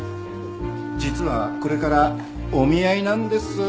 実はこれからお見合いなんです。